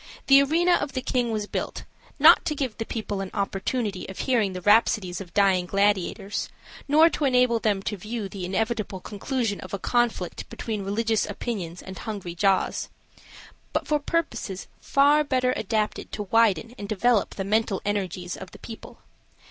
The arena of the king was built, not to give the people an opportunity of hearing the rhapsodies of dying gladiators, nor to enable them to view the inevitable conclusion of a conflict between religious opinions and hungry jaws, but for purposes far better adapted to widen and develop the mental energies of the people.